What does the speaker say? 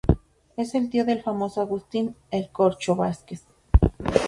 Es el tío del famoso Agustín "El Corcho" Vazquez.